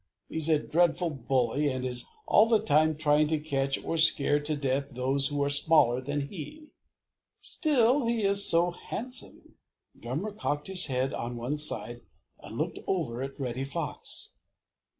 He's a dreadful bully and is all the time trying to catch or scare to death those who are smaller than he. Still, he is so handsome!" Drummer cocked his head on one side and looked over at Reddy Fox.